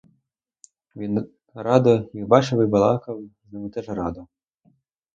Він радо їх бачив і балакав з ними теж радо.